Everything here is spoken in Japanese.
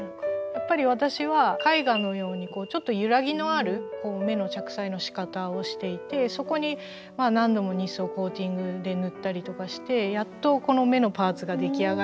やっぱり私は絵画のようにちょっと揺らぎのある目の着彩のしかたをしていてそこに何度もニスをコーティングで塗ったりとかしてやっとこの目のパーツが出来上がるっていう。